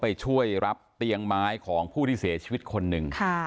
ไปช่วยรับเตียงไม้ของผู้ที่เสียชีวิตคนหนึ่ง